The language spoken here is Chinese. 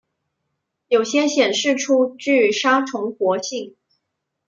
有些显示出具杀虫活性。